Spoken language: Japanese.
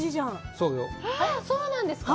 そうなんですか？